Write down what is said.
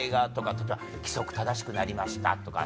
例えば規則正しくなりましたとかさ。